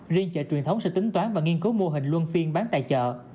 riêng chợ truyền thống sẽ tính toán và nghiên cứu mô hình luân phiên bán tại chợ